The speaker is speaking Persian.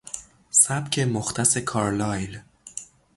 سبک مختص کارلایل